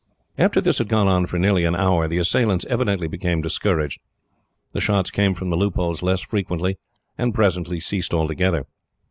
After this had gone on for nearly an hour, the assailants evidently became discouraged. The shots came from the loopholes less frequently, and presently ceased altogether.